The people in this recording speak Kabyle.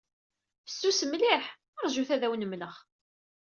Fessus mliḥ. Ṛjut ad awen-mleɣ.